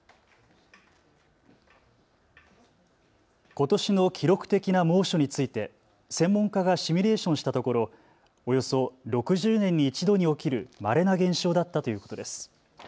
ことしの記録的な猛暑について専門家がシミュレーションしたところおよそ６０年に１度に起きるまれな現象だったということです。